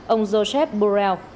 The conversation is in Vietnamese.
ông joseph burrell